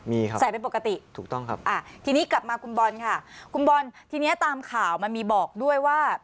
มีครับถูกต้องครับใส่เป็นปกติทีนี้กลับมาคุณบอลค่ะคุณบอลทีนี้ตามข่าวมันมีบอกด้วยว่า